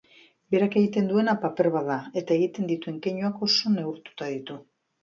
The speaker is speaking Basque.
Berak egiten duena paper bat da eta egiten dituen keinuak oso neurtuta ditu.